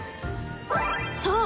そう。